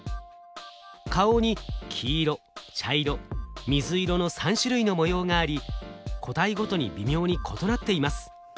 顔に黄色茶色水色の３種類の模様があり個体ごとに微妙に異なっています。